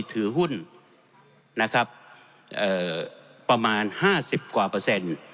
ถือหุ้นนะครับเอ่อประมาณห้าสิบกว่าเปอร์เซ็นต์